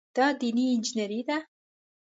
دا دیني انجینیري ده.